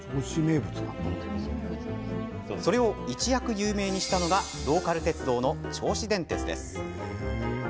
それを一躍有名にしたのがローカル鉄道、銚子電鉄です。